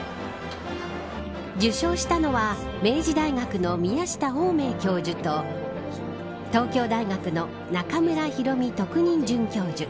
受賞したのは明治大学の宮下芳明教授と東京大学の中村裕美特任准教授。